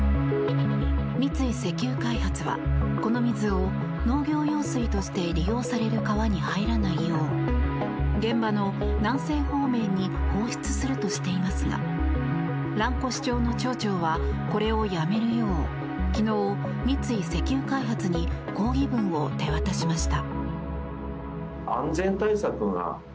三井石油開発はこの水を農業用水として利用される川に入らないよう現場の南西方面に放出するとしていますが蘭越町の町長はこれをやめるよう昨日、三井石油開発に抗議文を手渡しました。